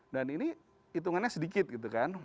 dan ini hitungannya sedikit gitu kan